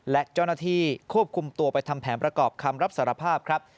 และเจ้าหน้าที่ควบคุมตัวไปทำแผนประกอบคำรับสารภาพครับ